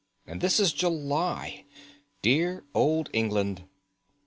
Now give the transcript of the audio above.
And this is July. Dear old England!"